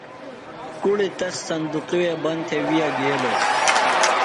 کُڑی تس صُندوقی وے بند تھےۡ ویہ گیلوۡ۔